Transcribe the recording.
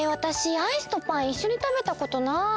アイスとパンいっしょにたべたことない。